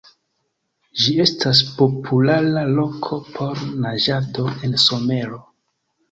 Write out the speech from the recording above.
Ĝi estas populara loko por naĝado en somero.